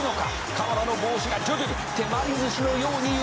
「川田の帽子が徐々に手まりずしのように揺れてきた」